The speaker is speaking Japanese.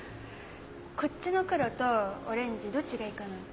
こっちの黒とオレンジどっちがいいかなぁ。